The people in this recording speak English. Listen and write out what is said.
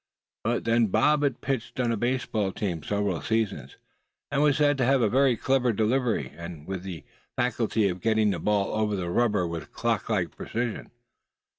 But then Bob had pitched on a baseball team several seasons, and was said to have a very clever delivery, with the faculty of getting the ball over the rubber with clock like precision.